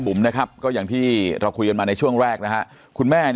ก็อย่างที่เราคุยกันมาในช่วงแรกนะฮะคุณแม่